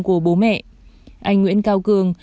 của bố mẹ anh nguyễn cao cường